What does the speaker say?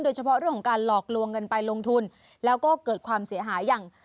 โดยเฉพาะเรื่องของการหลอกลวงเงินไปลงทุนแล้วก็เกิดความเสียหายอย่าง